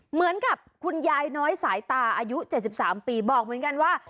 เหมือนกับคุณยายน้อยสายตาอายุ๗๓ปีบอกเหมือนกันว่า